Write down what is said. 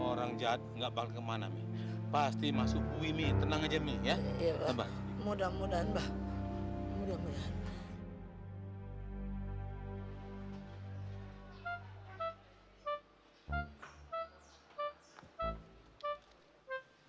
orang jatuh nggak bakal kemana pasti masuk wih tenang aja ya mudah mudahan mbak